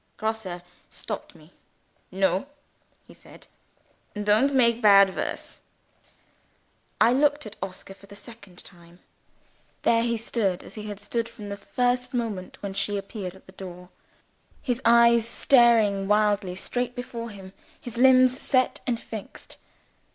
Grosse stopped me. "No!" he said. "Don't make bad worse." I looked at Oscar for the second time. There he stood, as he had stood from the first moment when she appeared at the door his eyes staring wildly straight before him; his limbs set and fixed.